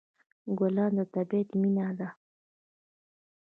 ګلان د طبیعت مینه ده.